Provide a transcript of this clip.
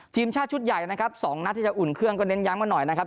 ทีมชาติชุดใหญ่๒นัทอุ่นเครื่องก็เน้นย้ำมาหน่อยนะครับ